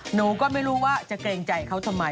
หนูก็ไม่รู้ว่าจะเกรงใจเขาทำไม